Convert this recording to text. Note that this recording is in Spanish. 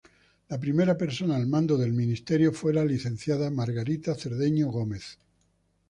La primera persona al mando del ministerio fue la licenciada Margarita Cedeño Gómez.